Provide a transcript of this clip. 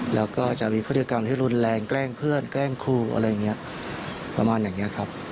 แล้วก็จะมีพฤติกรรมที่รุนแรงแกล้งเพื่อนแกล้งครูอะไรอย่างนี้ประมาณอย่างนี้ครับ